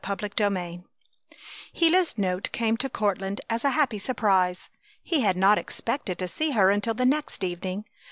CHAPTER XXIV Gila's note came to Courtland as a happy surprise. He had not expected to see her until the next evening.